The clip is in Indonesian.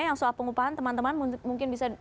yang soal pengupahan teman teman mungkin bisa